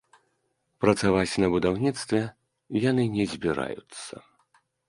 Працаваць на будаўніцтве яны не збіраюцца.